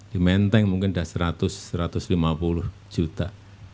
di menteng mungkin sudah seratus satu ratus lima puluh juta